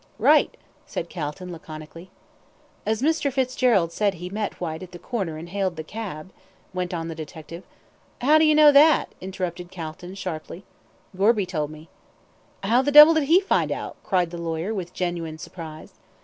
"Right!" said Calton, laconically. "As Mr. Fitzgerald said he met Whyte at the corner and hailed the cab " went on the detective. "How do you know that?" interrupted Calton, sharply. "Gorby told me." "How the devil did he find out?" cried the lawyer, with genuine surprise.